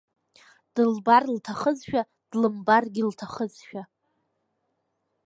Дылбар лҭахызшәа, длымбаргьы лҭахызшәа…